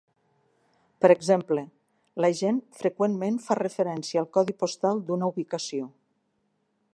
Per exemple, la gent freqüentment fa referència al "codi postal" d'una ubicació.